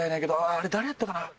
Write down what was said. ああれ誰やったかな？